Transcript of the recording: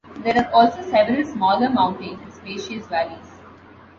There are also several smaller mountains and spacious valleys.